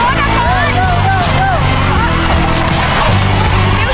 บริเวณตัวเลขของนาฬิกาเรือนนี้